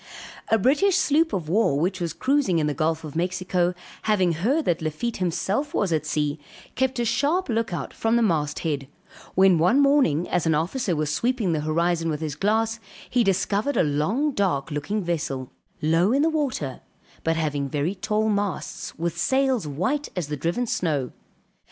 A British sloop of war which was cruising in the Gulf of Mexico, having heard that Lafitte himself was at sea, kept a sharp look out from the mast head; when one morning as an officer was sweeping the horizon with his glass he discovered a long dark looking vessel, low in the water, but having very tall masts, with sails white as the driven snow.